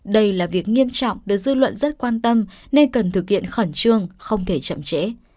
đây là việc nghiêm trọng được dư luận rất quan tâm nên cần thực hiện khẩn trương không thể chậm trễ